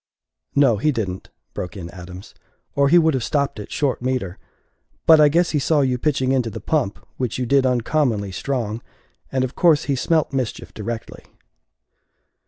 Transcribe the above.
"No, he didn't," broke in Adams, "or he would have stopped it short metre; but I guess be saw you pitching into the pump which you did uncommonly strong and of course be smelt mischief directly."